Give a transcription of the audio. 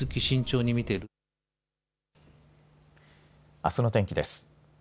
明日の天気です。